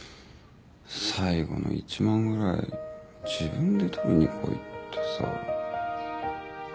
最後の１万ぐらい自分で取りに来いってさ。